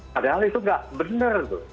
padahal itu tidak benar